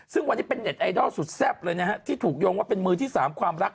ซึ่งวันนี้เป็นในตัวแซ่บที่ถูกยวกว่าเป็นมือที่สามความรัก